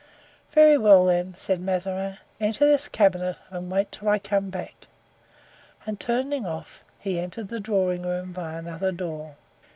"Very well, then," said Mazarin; "enter this cabinet and wait till I come back." And turning off he entered the drawing room by another door.